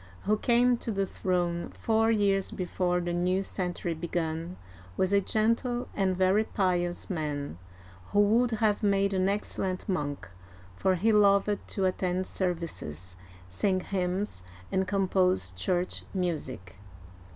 who came to the throne four years before the new century began, was a gentle and very pious man, who would have made an excellent monk, for he loved to attend services, sing hymns, and compose church music.